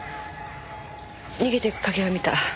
逃げていく影は見た。